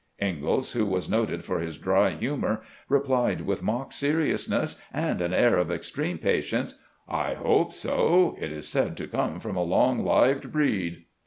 IngaUs, who was noted for his dry humor, replied with mock seriousness and an air of extreme patience :" I hope to ; it is said to come from a long lived breed."